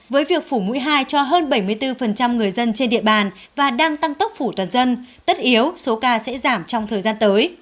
với việc phủ mũi hai cho hơn bảy mươi bốn người dân trên địa bàn và đang tăng tốc phủ toàn dân tất yếu số ca sẽ giảm trong thời gian tới